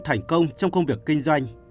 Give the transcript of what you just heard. thành công trong công việc kinh doanh